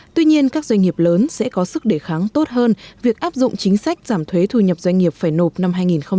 tuy nhiên các doanh nghiệp lớn sẽ có sức đề kháng tốt hơn việc áp dụng chính sách giảm thuế thu nhập doanh nghiệp phải nộp năm hai nghìn hai mươi